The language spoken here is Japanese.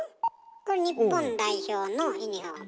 これ日本代表のユニフォーム。